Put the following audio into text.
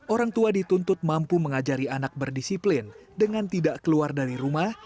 orang tua dituntut mampu mengajari anak berdisiplin dengan tidak keluar dari rumah